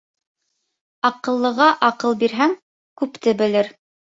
Аҡыллыға аҡыл бирһәң, күпте белер